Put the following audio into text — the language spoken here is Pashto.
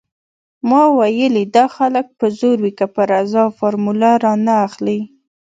ما ويلې دا خلک په زور وي که په رضا فارموله رانه اخلي.